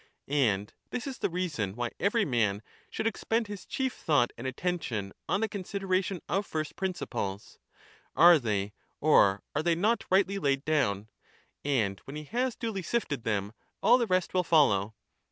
And this is the reason why every man should expend his chief thought and attention on the consideration of first principles: — are they or are they not rightly laid down? and when he has duly sifted them, all the rest will follow.